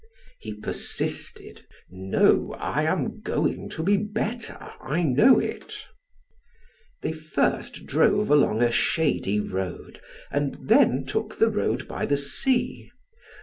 He persisted: "No, I am going to be better, I know it." They first drove along a shady road and then took the road by the sea.